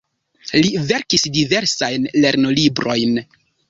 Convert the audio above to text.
Li verkis diversajn lernolibrojn.